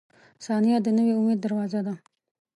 • ثانیه د نوي امید دروازه ده.